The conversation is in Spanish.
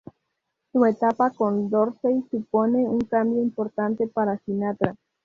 Su etapa con Dorsey supone un cambio importante para Sinatra.